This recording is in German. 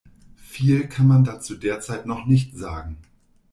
Viel kann man dazu derzeit noch nicht sagen.